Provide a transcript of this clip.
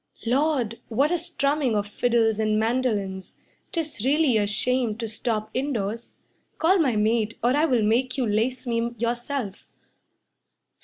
Lord! What a strumming of fiddles and mandolins! 'Tis really a shame to stop indoors. Call my maid, or I will make you lace me yourself.